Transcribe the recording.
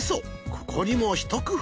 ここにもひと工夫。